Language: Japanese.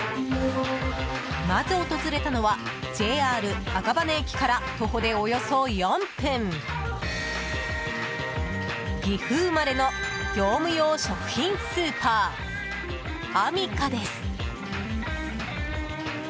まず訪れたのはＪＲ赤羽駅から徒歩でおよそ４分岐阜生まれの業務用食品スーパー、アミカです。